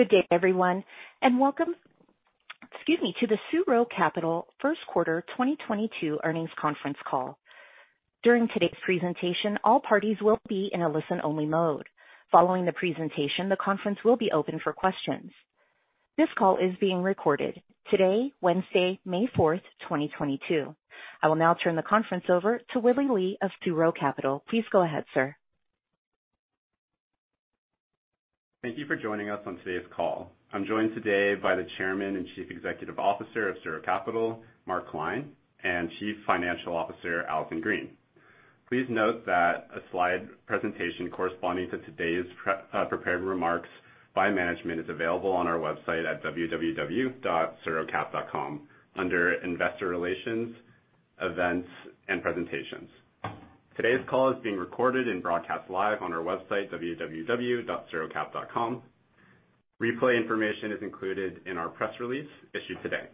Good day, everyone, and welcome, excuse me, to the SuRo Capital first quarter 2022 earnings conference call. During today's presentation, all parties will be in a listen-only mode. Following the presentation, the conference will be open for questions. This call is being recorded today, Wednesday, May 4, 2022. I will now turn the conference over to William Lee of SuRo Capital. Please go ahead, sir. Thank you for joining us on today's call. I'm joined today by the Chairman and Chief Executive Officer of SuRo Capital, Mark Klein, and Chief Financial Officer, Allison Green. Please note that a slide presentation corresponding to today's prepared remarks by management is available on our website at www.surocap.com under Investor Relations, Events, and Presentations. Today's call is being recorded and broadcast live on our website, www.surocap.com. Replay information is included in our press release issued today.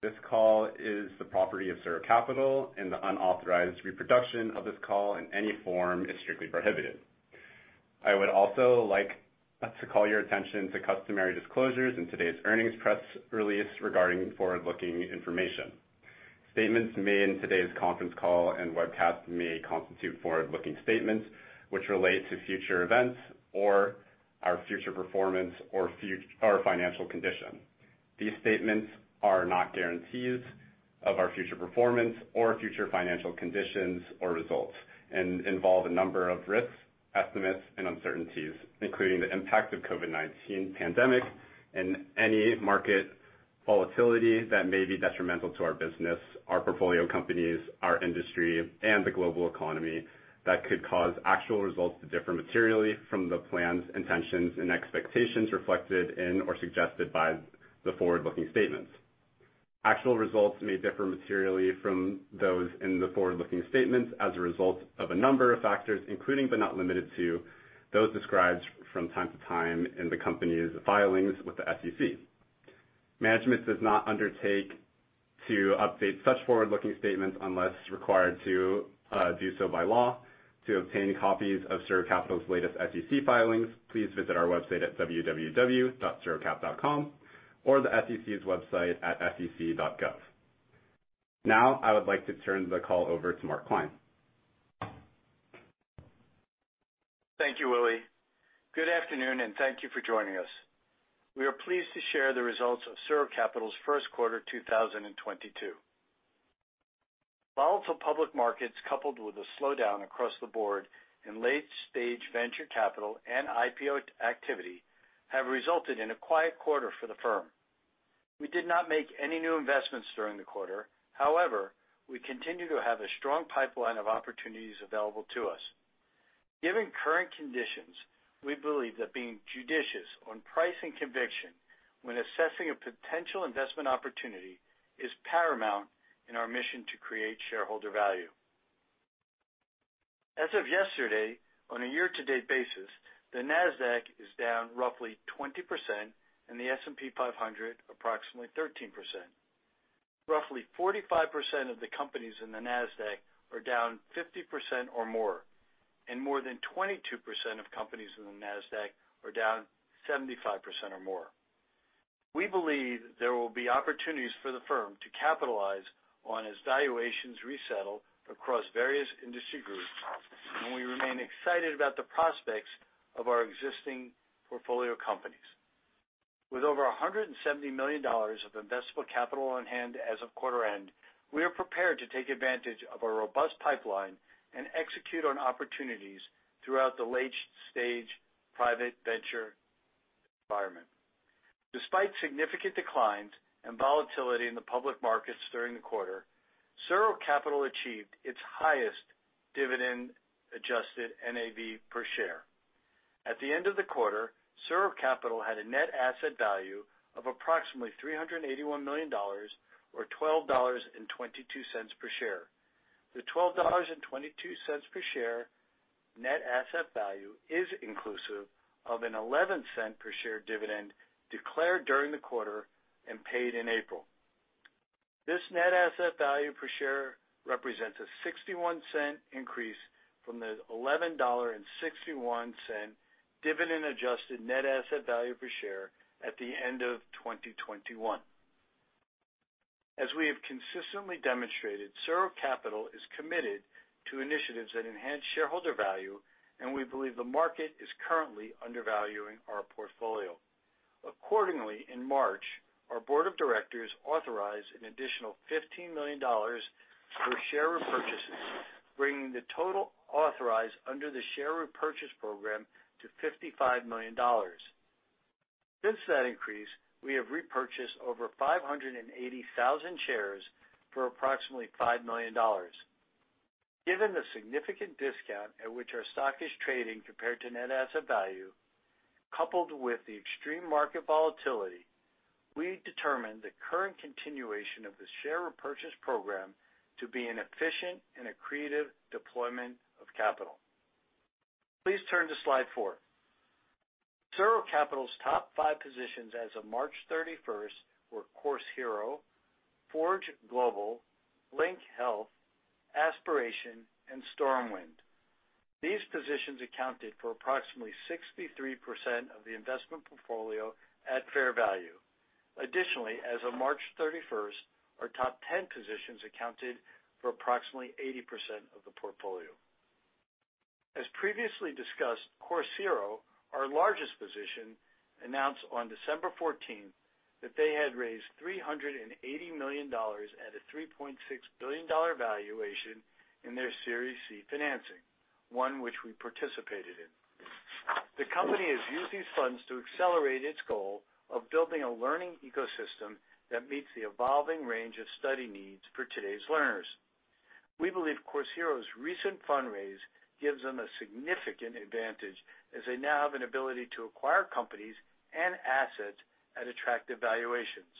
This call is the property of SuRo Capital and the unauthorized reproduction of this call in any form is strictly prohibited. I would also like to call your attention to customary disclosures in today's earnings press release regarding forward-looking information. Statements made in today's conference call and webcast may constitute forward-looking statements which relate to future events or our future performance or financial condition. These statements are not guarantees of our future performance or future financial conditions or results, and involve a number of risks, estimates, and uncertainties, including the impact of COVID-19 pandemic and any market volatility that may be detrimental to our business, our portfolio companies, our industry, and the global economy that could cause actual results to differ materially from the plans, intentions, and expectations reflected in or suggested by the forward-looking statements. Actual results may differ materially from those in the forward-looking statements as a result of a number of factors, including, but not limited to, those described from time to time in the company's filings with the SEC. Management does not undertake to update such forward-looking statements unless required to do so by law. To obtain copies of SuRo Capital's latest SEC filings, please visit our website at www.surocap.com or the SEC's website at sec.gov. Now I would like to turn the call over to Mark Klein. Thank you, Willy. Good afternoon, and thank you for joining us. We are pleased to share the results of SuRo Capital's first quarter 2022. Volatile public markets coupled with a slowdown across the board in late-stage venture capital and IPO activity have resulted in a quiet quarter for the firm. We did not make any new investments during the quarter. However, we continue to have a strong pipeline of opportunities available to us. Given current conditions, we believe that being judicious on price and conviction when assessing a potential investment opportunity is paramount in our mission to create shareholder value. As of yesterday, on a year-to-date basis, the Nasdaq is down roughly 20%, and the S&P 500 approximately 13%. Roughly 45% of the companies in the Nasdaq are down 50% or more, and more than 22% of companies in the Nasdaq are down 75% or more. We believe there will be opportunities for the firm to capitalize on as valuations resettle across various industry groups, and we remain excited about the prospects of our existing portfolio companies. With over $170 million of investable capital on hand as of quarter end, we are prepared to take advantage of our robust pipeline and execute on opportunities throughout the late-stage private venture environment. Despite significant declines and volatility in the public markets during the quarter, SuRo Capital achieved its highest dividend-adjusted NAV per share. At the end of the quarter, SuRo Capital had a net asset value of approximately $381 million or $12.22 per share. The $12.22 per share net asset value is inclusive of an $0.11 per share dividend declared during the quarter and paid in April. This net asset value per share represents a $0.61 increase from the $11.61 dividend-adjusted net asset value per share at the end of 2021. As we have consistently demonstrated, SuRo Capital is committed to initiatives that enhance shareholder value, and we believe the market is currently undervaluing our portfolio. Accordingly, in March, our board of directors authorized an additional $15 million for share repurchases, bringing the total authorized under the share repurchase program to $55 million. Since that increase, we have repurchased over 580,000 shares for approximately $5 million. Given the significant discount at which our stock is trading compared to net asset value, coupled with the extreme market volatility, we determine the current continuation of the share repurchase program to be an efficient and accretive deployment of capital. Please turn to slide four. SuRo Capital's top five positions as of March 31 were Course Hero, Forge Global, Link Health, Aspiration and StormWind. These positions accounted for approximately 63% of the investment portfolio at fair value. Additionally, as of March 31, our top 10 positions accounted for approximately 80% of the portfolio. As previously discussed, Course Hero, our largest position, announced on December 14 that they had raised $380 million at a $3.6 billion valuation in their Series C financing, one which we participated in. The company has used these funds to accelerate its goal of building a learning ecosystem that meets the evolving range of study needs for today's learners. We believe Course Hero's recent fundraise gives them a significant advantage as they now have an ability to acquire companies and assets at attractive valuations.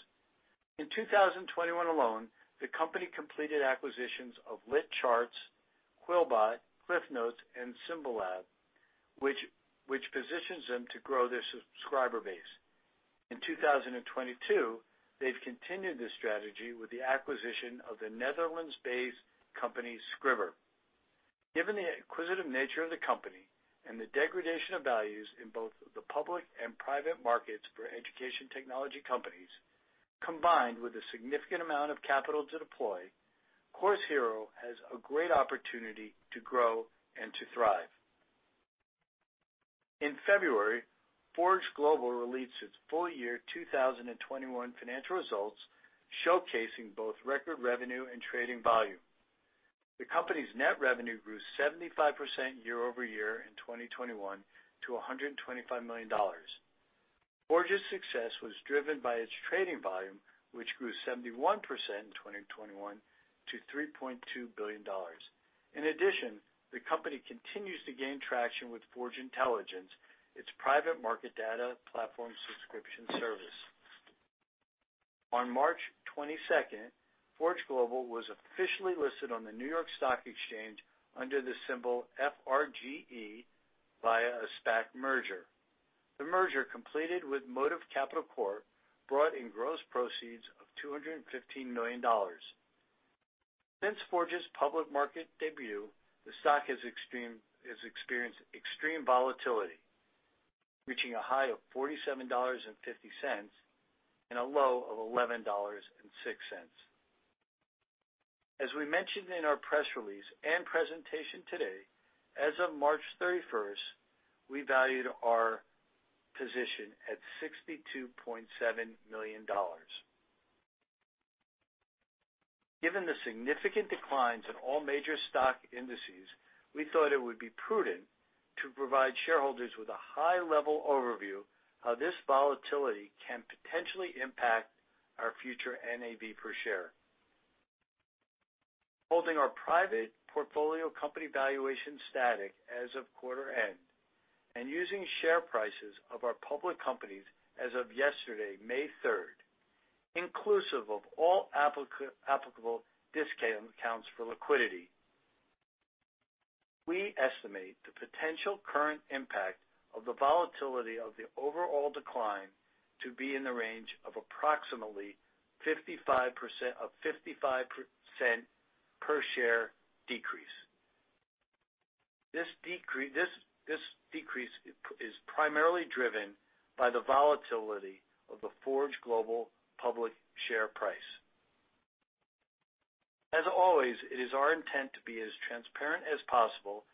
In 2021 alone, the company completed acquisitions of LitCharts, QuillBot, CliffsNotes, and Symbolab, which positions them to grow their subscriber base. In 2022, they've continued this strategy with the acquisition of the Netherlands-based company, Scribbr. Given the inquisitive nature of the company and the degradation of values in both the public and private markets for education technology companies, combined with a significant amount of capital to deploy, Course Hero has a great opportunity to grow and to thrive. In February, Forge Global released its full year 2021 financial results, showcasing both record revenue and trading volume. The company's net revenue grew 75% year-over-year in 2021 to $125 million. Forge's success was driven by its trading volume, which grew 71% in 2021 to $3.2 billion. In addition, the company continues to gain traction with Forge Intelligence, its private market data platform subscription service. On March 22, Forge Global was officially listed on the New York Stock Exchange under the symbol FRGE via a SPAC merger. The merger completed with Motive Capital Corp brought in gross proceeds of $215 million. Since Forge's public market debut, the stock has experienced extreme volatility, reaching a high of $47.50, and a low of $11.06. As we mentioned in our press release and presentation today, as of March 31, we valued our position at $62.7 million. Given the significant declines in all major stock indices, we thought it would be prudent to provide shareholders with a high-level overview how this volatility can potentially impact our future NAV per share. Holding our private portfolio company valuation static as of quarter end, and using share prices of our public companies as of yesterday, May 3, inclusive of all applicable discount accounts for liquidity. We estimate the potential current impact of the volatility of the overall decline to be in the range of approximately 55% per share decrease. This decrease is primarily driven by the volatility of the Forge Global public share price. As always, it is our intent to be as transparent as possible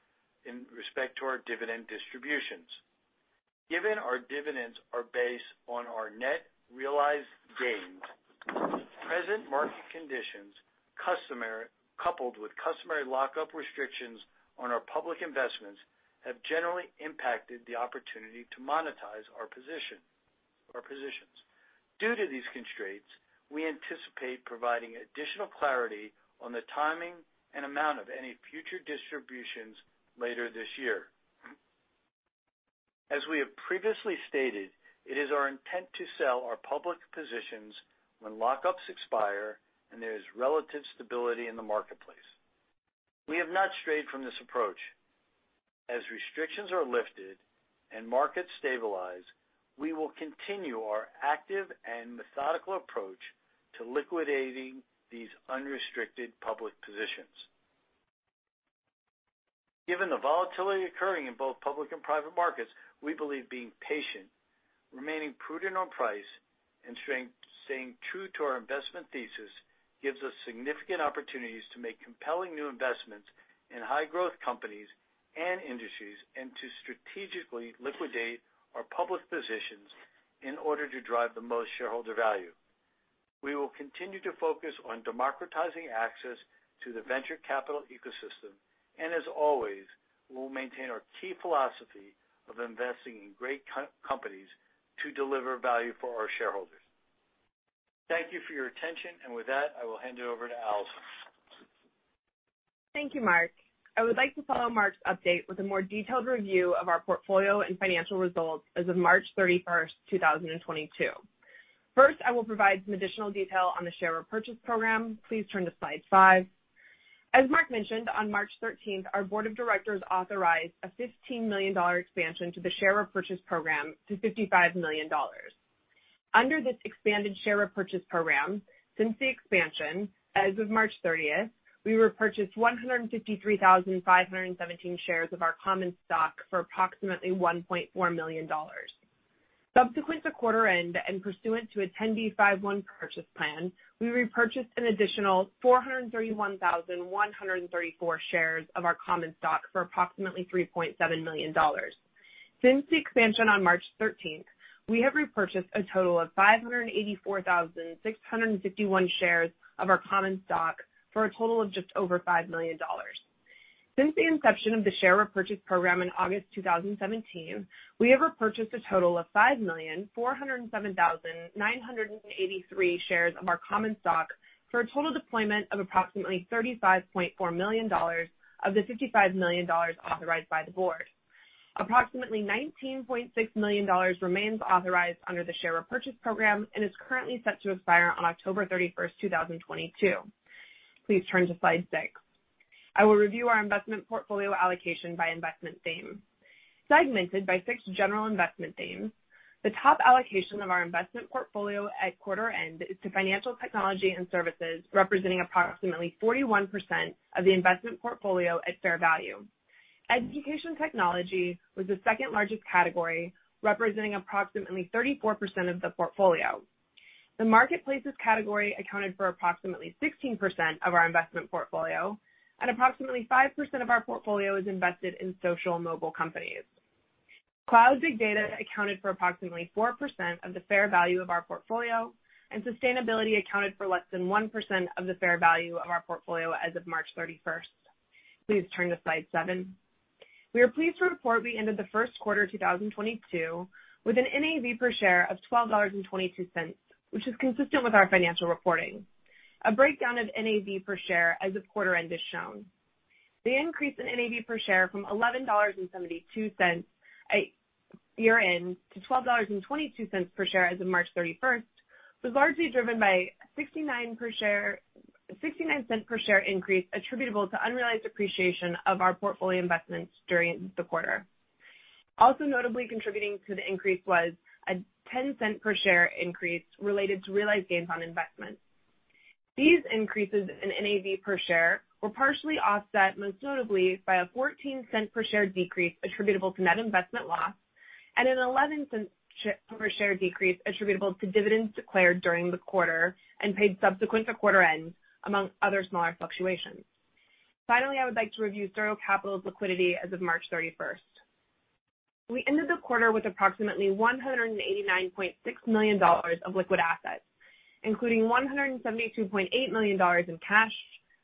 in respect to our dividend distributions. Given our dividends are based on our net realized gains, present market conditions, coupled with customary lockup restrictions on our public investments, have generally impacted the opportunity to monetize our positions. Due to these constraints, we anticipate providing additional clarity on the timing and amount of any future distributions later this year. As we have previously stated, it is our intent to sell our public positions when lockups expire and there is relative stability in the marketplace. We have not strayed from this approach. As restrictions are lifted and markets stabilize, we will continue our active and methodical approach to liquidating these unrestricted public positions. Given the volatility occurring in both public and private markets, we believe being patient, remaining prudent on price, and staying true to our investment thesis gives us significant opportunities to make compelling new investments in high growth companies and industries, and to strategically liquidate our public positions in order to drive the most shareholder value. We will continue to focus on democratizing access to the venture capital ecosystem. We'll maintain our key philosophy of investing in great companies to deliver value for our shareholders. Thank you for your attention. With that, I will hand it over to Allison. Thank you, Mark. I would like to follow Mark's update with a more detailed review of our portfolio and financial results as of March 31, 2022. First, I will provide some additional detail on the share repurchase program. Please turn to slide 5. As Mark mentioned, on March 13, our board of directors authorized a $15 million expansion to the share repurchase program to $55 million. Under this expanded share repurchase program, since the expansion, as of March 30, we repurchased 153,517 shares of our common stock for approximately $1.4 million. Subsequent to quarter end and pursuant to a 10b5-1 purchase plan, we repurchased an additional 431,134 shares of our common stock for approximately $3.7 million. Since the expansion on March 13th, we have repurchased a total of 584,651 shares of our common stock for a total of just over $5 million. Since the inception of the share repurchase program in August 2017, we have repurchased a total of 5,407,983 shares of our common stock for a total deployment of approximately $35.4 million of the $55 million authorized by the board. Approximately $19.6 million remains authorized under the share repurchase program and is currently set to expire on October 31st, 2022. Please turn to slide 6. I will review our investment portfolio allocation by investment theme. Segmented by six general investment themes, the top allocation of our investment portfolio at quarter end is to financial technology and services, representing approximately 41% of the investment portfolio at fair value. Education technology was the second-largest category, representing approximately 34% of the portfolio. The marketplaces category accounted for approximately 16% of our investment portfolio, and approximately 5% of our portfolio is invested in social mobile companies. Cloud big data accounted for approximately 4% of the fair value of our portfolio, and sustainability accounted for less than 1% of the fair value of our portfolio as of March 31. Please turn to slide seven. We are pleased to report we ended the first quarter 2022 with an NAV per share of $12.22, which is consistent with our financial reporting. A breakdown of NAV per share as of quarter end is shown. The increase in NAV per share from $11.72 at year-end to $12.22 per share as of March 31 was largely driven by $0.69 per share increase attributable to unrealized appreciation of our portfolio investments during the quarter. Also notably contributing to the increase was a $0.10 per share increase related to realized gains on investments. These increases in NAV per share were partially offset, most notably by a $0.14 per share decrease attributable to net investment loss and an $0.11 per share decrease attributable to dividends declared during the quarter and paid subsequent to quarter end, among other smaller fluctuations. Finally, I would like to review SuRo Capital's liquidity as of March 31. We ended the quarter with approximately $189.6 million of liquid assets, including $172.8 million in cash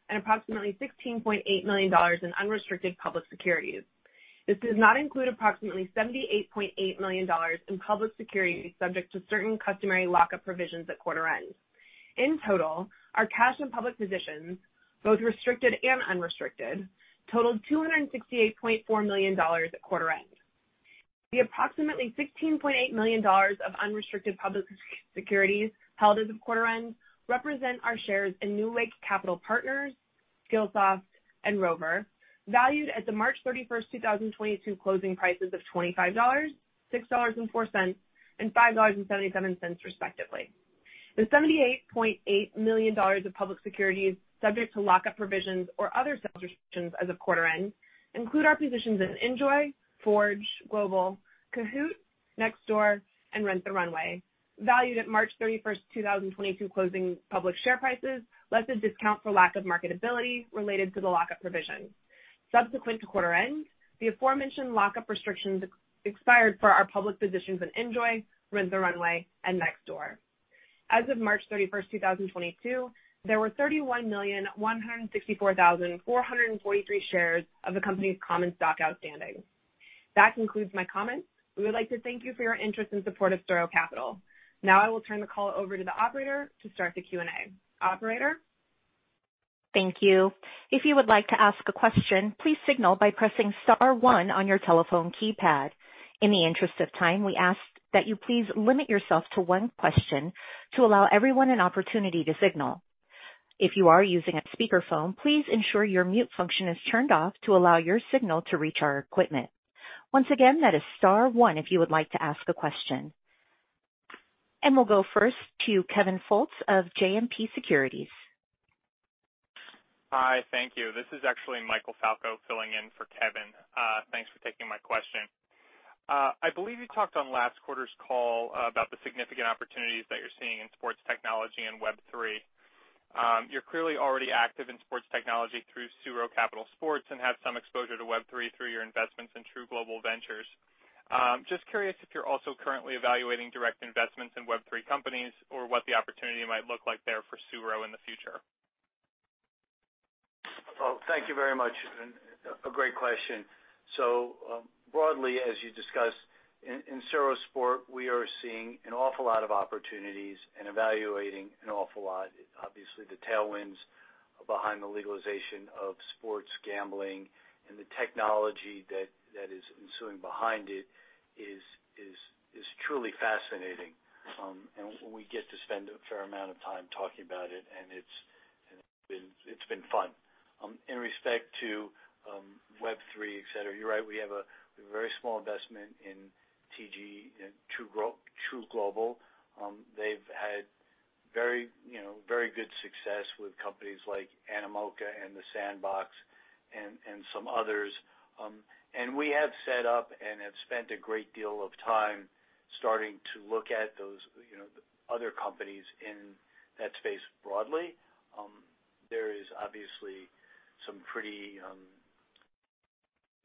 and approximately $16.8 million in unrestricted public securities. This does not include approximately $78.8 million in public securities subject to certain customary lockup provisions at quarter end. In total, our cash and public positions, both restricted and unrestricted, totaled $268.4 million at quarter end. The approximately $16.8 million of unrestricted public securities held as of quarter end represent our shares in NewLake Capital Partners, Skillsoft Corp., and Rover Group, Inc valued at the March 31, 2022 closing prices of $25, $6.04, and $5.77, respectively. The $78.8 million of public securities subject to lockup provisions or other sales restrictions as of quarter end include our positions in Enjoy, Forge Global, Kahoot, Nextdoor, and Rent the Runway, valued at March 31, 2022 closing public share prices less a discount for lack of marketability related to the lockup provision. Subsequent to quarter end, the aforementioned lockup restrictions expired for our public positions in Enjoy, Rent the Runway, and Nextdoor. As of March 31, 2022, there were 31,164,443 shares of the company's common stock outstanding. That concludes my comments. We would like to thank you for your interest and support of SuRo Capital. Now I will turn the call over to the operator to start the Q&A. Operator? Thank you. If you would like to ask a question, please signal by pressing star one on your telephone keypad. In the interest of time, we ask that you please limit yourself to one question to allow everyone an opportunity to signal. If you are using a speakerphone, please ensure your mute function is turned off to allow your signal to reach our equipment. Once again, that is star one if you would like to ask a question. We'll go first to Kevin Fultz of JMP Securities. Hi. Thank you. This is actually Michael Falco filling in for Kevin. Thanks for taking my question. I believe you talked on last quarter's call about the significant opportunities that you're seeing in sports technology and Web3. You're clearly already active in sports technology through SuRo Capital Sports and have some exposure to Web3 through your investments in True Global Ventures. Just curious if you're also currently evaluating direct investments in Web3 companies or what the opportunity might look like there for SuRo in the future. Well, thank you very much, and a great question. Broadly, as you discussed, in SuRo Sports, we are seeing an awful lot of opportunities and evaluating an awful lot, obviously the tailwinds behind the legalization of sports gambling and the technology that is ensuing behind it is truly fascinating. We get to spend a fair amount of time talking about it, and it's been fun. In respect to Web3, et cetera, you're right, we have a very small investment in TG, True Global. They've had very, you know, very good success with companies like Animoca and The Sandbox and some others. We have set up and have spent a great deal of time starting to look at those, you know, other companies in that space broadly. There is obviously some pretty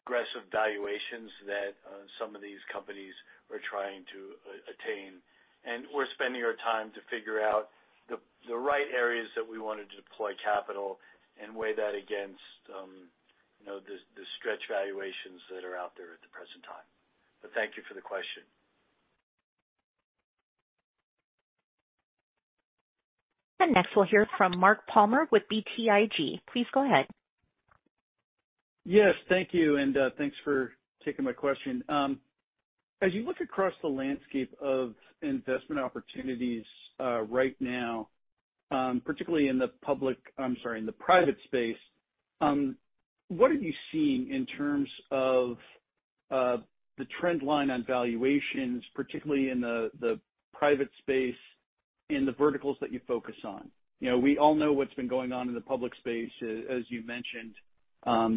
aggressive valuations that some of these companies are trying to attain. We're spending our time to figure out the right areas that we wanna deploy capital and weigh that against, you know, the stretch valuations that are out there at the present time. Thank you for the question. Next we'll hear from Mark Palmer with BTIG. Please go ahead. Yes, thank you, and thanks for taking my question. As you look across the landscape of investment opportunities, right now, particularly in the private space, what are you seeing in terms of the trend line on valuations, particularly in the private space in the verticals that you focus on? You know, we all know what's been going on in the public space, as you mentioned,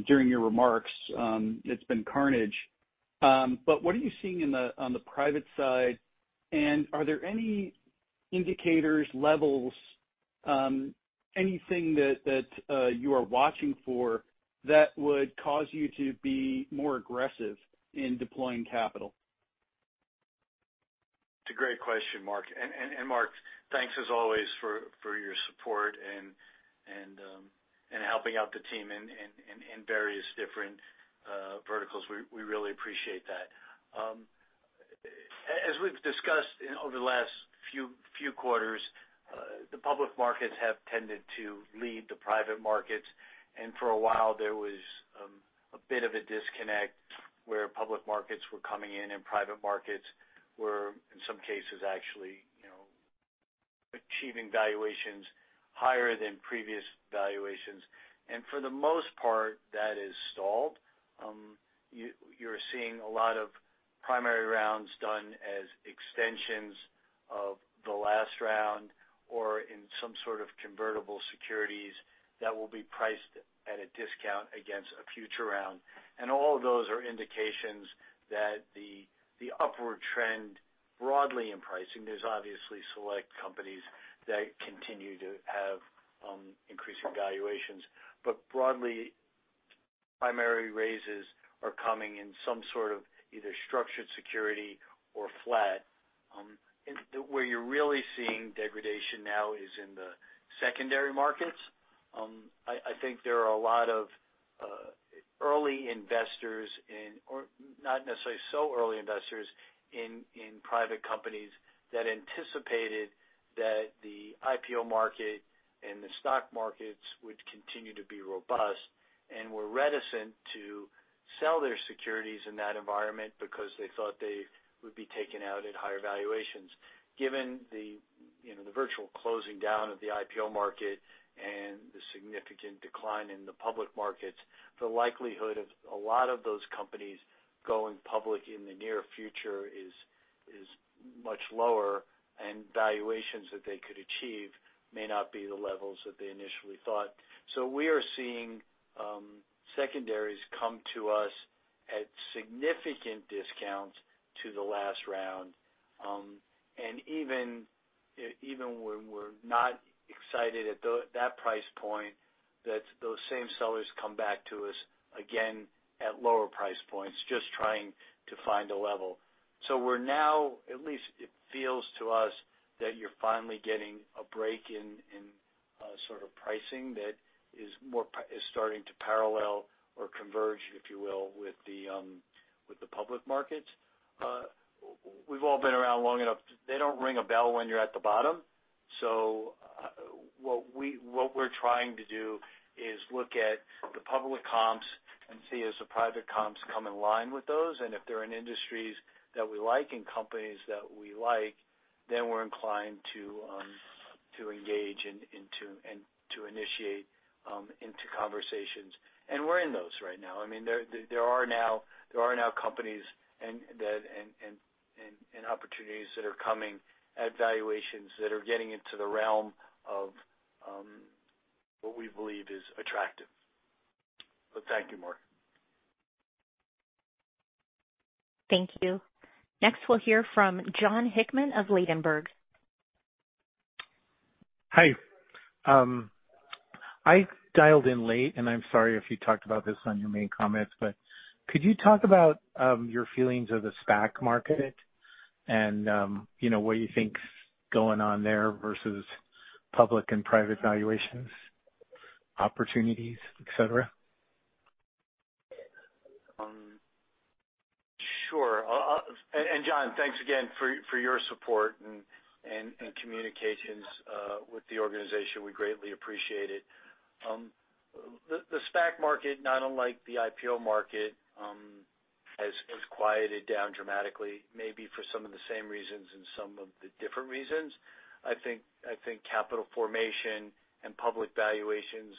during your remarks, it's been carnage. What are you seeing on the private side? Are there any indicators, levels, anything that you are watching for that would cause you to be more aggressive in deploying capital? It's a great question, Mark. Mark, thanks as always for your support and helping out the team in various different verticals. We really appreciate that. As we've discussed over the last few quarters, the public markets have tended to lead the private markets. For a while, there was a bit of a disconnect where public markets were coming in and private markets were, in some cases, actually, you know, achieving valuations higher than previous valuations. For the most part, that has stalled. You're seeing a lot of primary rounds done as extensions of the last round or in some sort of convertible securities that will be priced at a discount against a future round. All of those are indications that the upward trend broadly in pricing. There's obviously select companies that continue to have increasing valuations. Broadly, primary raises are coming in some sort of either structured security or flat. Where you're really seeing degradation now is in the secondary markets. I think there are a lot of or not necessarily so early investors in private companies that anticipated that the IPO market and the stock markets would continue to be robust and were reticent to sell their securities in that environment because they thought they would be taken out at higher valuations. Given the, you know, the virtual closing down of the IPO market and the significant decline in the public markets, the likelihood of a lot of those companies going public in the near future is much lower, and valuations that they could achieve may not be the levels that they initially thought. We are seeing secondaries come to us at significant discounts to the last round. And even when we're not excited at that price point, those same sellers come back to us again at lower price points, just trying to find a level. We're now, at least it feels to us, that you're finally getting a break in sort of pricing that is starting to parallel or converge, if you will, with the public markets. We've all been around long enough. They don't ring a bell when you're at the bottom. What we're trying to do is look at the public comps and see as the private comps come in line with those. If they're in industries that we like, in companies that we like, then we're inclined to engage and to initiate into conversations. We're in those right now. I mean, there are now companies and opportunities that are coming at valuations that are getting into the realm of what we believe is attractive. Thank you, Mark. Thank you. Next, we'll hear from Jon R. Hickman of Ladenburg Thalmann. Hi. I dialed in late, and I'm sorry if you talked about this on your main comments, but could you talk about your feelings of the SPAC market and, you know, what you think's going on there versus public and private valuations, opportunities, et cetera? Sure. John, thanks again for your support and communications with the organization. We greatly appreciate it. The SPAC market, not unlike the IPO market, has quieted down dramatically, maybe for some of the same reasons and some of the different reasons. I think capital formation and public valuations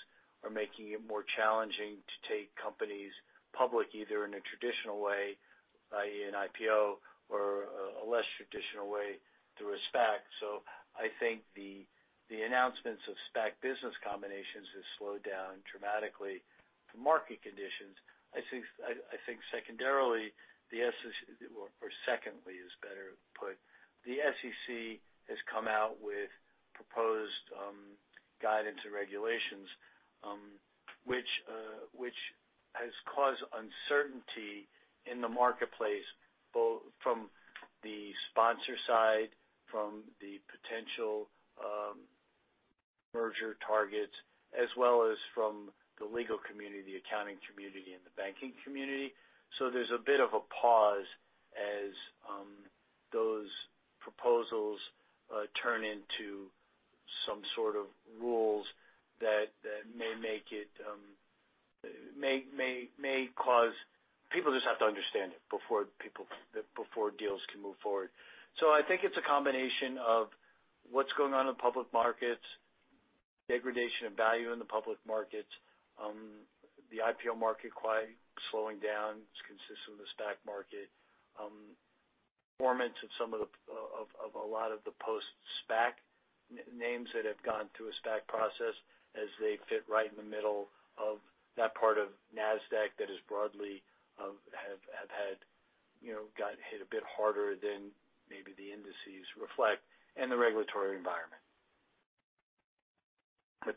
are making it more challenging to take companies public, either in a traditional way, i.e., an IPO or a less traditional way through a SPAC. I think the announcements of SPAC business combinations have slowed down dramatically from market conditions. I think secondarily, the S... Secondly is better put, the SEC has come out with proposed guidance and regulations, which has caused uncertainty in the marketplace, both from the sponsor side, from the potential merger targets, as well as from the legal community, accounting community and the banking community. There's a bit of a pause as those proposals turn into some sort of rules that people just have to understand before deals can move forward. I think it's a combination of what's going on in public markets, degradation of value in the public markets, the IPO market quiet, slowing down. It's consistent with the SPAC market. Performance of some of a lot of the post-SPAC names that have gone through a SPAC process as they fit right in the middle of that part of Nasdaq that is broadly, have had, you know, got hit a bit harder than maybe the indices reflect and the regulatory environment.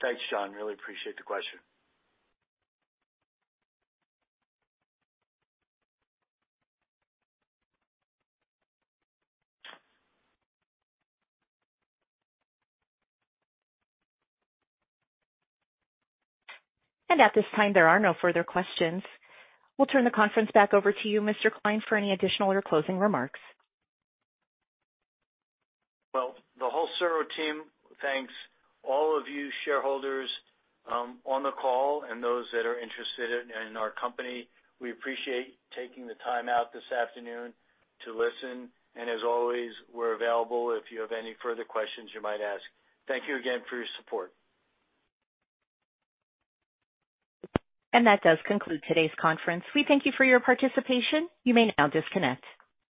Thanks, John. Really appreciate the question. At this time, there are no further questions. We'll turn the conference back over to you, Mr. Klein, for any additional or closing remarks. Well, the whole SuRo team thanks all of you shareholders on the call and those that are interested in our company. We appreciate taking the time out this afternoon to listen, and as always, we're available if you have any further questions you might ask. Thank you again for your support. That does conclude today's conference. We thank you for your participation. You may now disconnect.